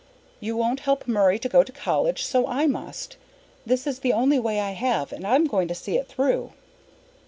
You won't help Murray to go to college, so I must. This is the only way I have, and I'm going to see it through."